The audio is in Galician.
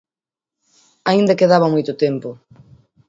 Aínda quedaba moito tempo.